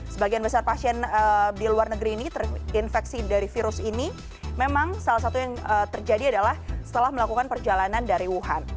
sebagian besar pasien di luar negeri ini terinfeksi dari virus ini memang salah satu yang terjadi adalah setelah melakukan perjalanan dari wuhan